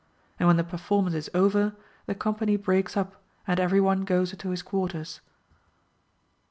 And when the performance is over, the company breaks up and every one goes to his quarters.